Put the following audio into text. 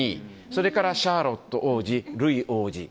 それからシャーロット王女ルイ王子。